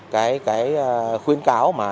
cái khuyên cáo